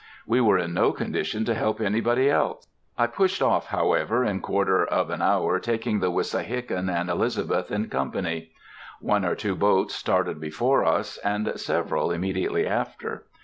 We were in no condition to help anybody else. I pushed off, however, in quarter of an hour, taking the Wissahickon and Elizabeth in company. One or two boats started before us, and several immediately after.